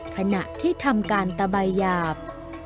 ขณะที่ทำการตะใบหยาบ